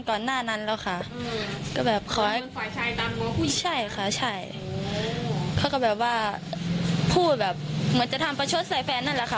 เขาก็แบบว่าพูดแบบเหมือนจะทำประชดใส่แฟนนั่นแหละค่ะ